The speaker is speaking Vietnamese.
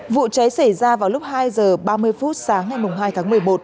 vụ cháy xảy ra vào lúc hai h ba mươi phút sáng ngày hai tháng một mươi một